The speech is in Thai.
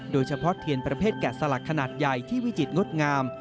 โดยเฉพาะเทียนประเภทแกะสลักขนาดใหญ่ที่วิจิตรงดงาม